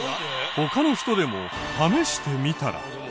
他の人でも試してみたら。